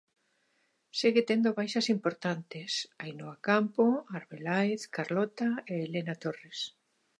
Segue tendo baixas importantes: Ainoa Campo, Arbeláez, Carlota e Helena Torres.